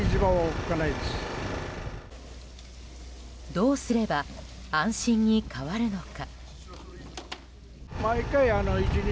どうすれば安心に変わるのか。